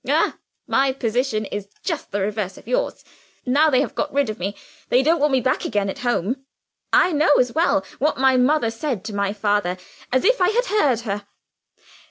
"Ah, my position is just the reverse of yours. Now they have got rid of me, they don't want me back again at home. I know as well what my mother said to my father, as if I had heard her.